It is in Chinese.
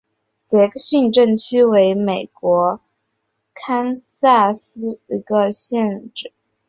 杰克逊镇区为美国堪萨斯州吉里县辖下的镇区。